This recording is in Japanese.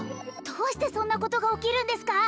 どうしてそんなことが起きるんですか？